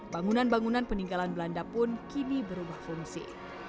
bangunan bangunan peninggalan belanda pun kini berubah fungsi